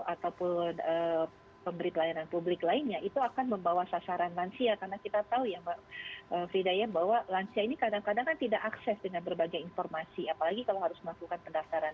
ataupun pemberi pelayanan publik lainnya itu akan membawa sasaran lansia karena kita tahu ya mbak fridayat bahwa lansia ini kadang kadang kan tidak akses dengan berbagai informasi apalagi kalau harus melakukan pendaftaran